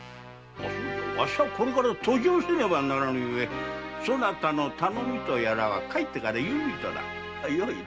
わしはこれから登城せねばならぬゆえそなたの頼みとやらは帰ってからゆるりとな。